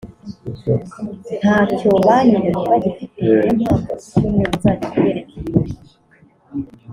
ntacyo banyimye bagifite niyo mpamvu ku cyumweru nzajya kubereka ibirori